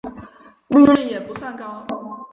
利润也不算高